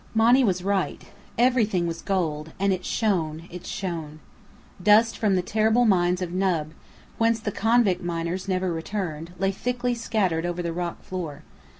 Monny was right. Everything was gold and it shone it shone. Dust from the terrible mines of Nub, whence the convict miners never returned, lay thickly scattered over the rock floor.